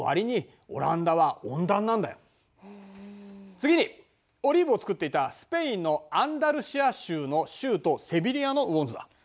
次にオリーブを作っていたスペインのアンダルシア州の州都セビリアの雨温図だ。